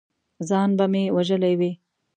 ځان به مې وژلی وي!